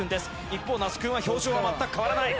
一方那須君は表情は全く変わらない。